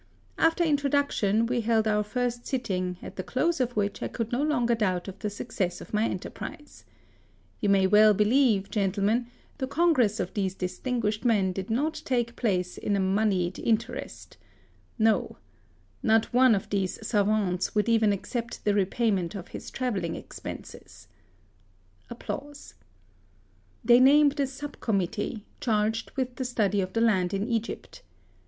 After intro duction, we held our first sitting, at the close of which I could no longer doubt of the suc cess of my enterprise. You may well believe, gentlemen, the congress of these distinguished men did not take place in a moneyed inter • Monsieur de Lesseps' present residence. THE SUEZ CANAL. 29 est. No. Not one of these savants would even accept the repayment of his travelling expenses. They named a sub committee, charge^ with the study of the land in Egypt.